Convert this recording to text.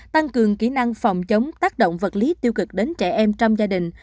tăng cường kỹ năng phòng chống tác động vật lý tiêu cực đến trẻ em trong gia đình